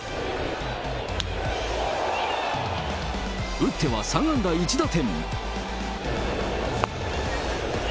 打っては３安打１打点。